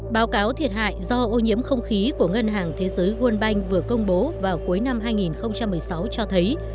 báo cáo thiệt hại do ô nhiễm không khí của ngân hàng thế giới world bank vừa công bố vào cuối năm hai nghìn một mươi sáu cho thấy